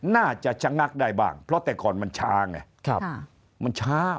น่าจะชะงักได้บ้างเพราะแต่ก่อนมันช้าไงมันช้า